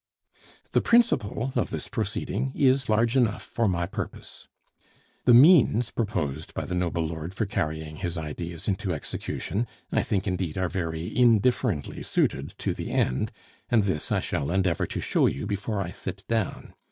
The principle of this proceeding is large enough for my purpose. The means proposed by the noble lord for carrying his ideas into execution, I think indeed are very indifferently suited to the end; and this I shall endeavor to show you before I sit down.